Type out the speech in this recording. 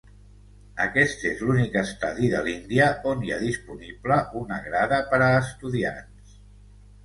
Aquest és l'únic estadi de l'Índia on hi ha disponible una grada per a estudiants.